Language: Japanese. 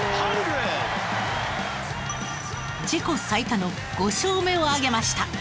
自己最多の５勝目を挙げました。